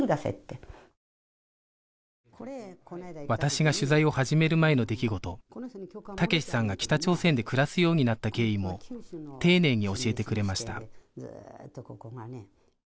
私が取材を始める前の出来事武志さんが北朝鮮で暮らすようになった経緯も丁寧に教えてくれました